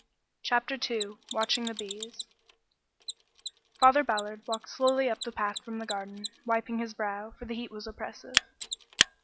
CHAPTER II WATCHING THE BEES Father Ballard walked slowly up the path from the garden, wiping his brow, for the heat was oppressive.